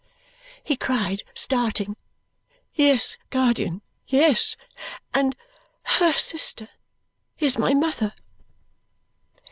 he cried, starting. "Yes, guardian, yes! And HER sister is my mother!"